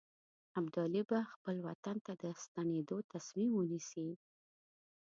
ابدالي به خپل وطن ته د ستنېدلو تصمیم ونیسي.